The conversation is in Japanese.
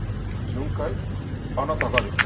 あなたがですか？